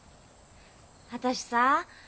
私さ。